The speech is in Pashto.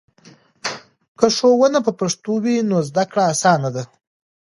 که ښوونه په پښتو وي نو زده کړه اسانه ده.